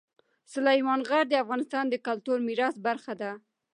سلیمان غر د افغانستان د کلتوري میراث برخه ده.